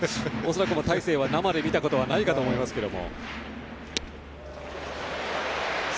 恐らく大勢は生で見たことはないと思いますけど。